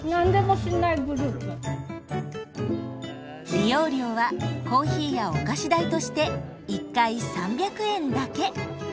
利用料はコーヒーやお菓子代として１回３００円だけ。